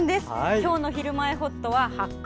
今日の「ひるまえほっと」は「発掘！